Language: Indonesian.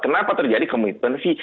kenapa terjadi komitmen fee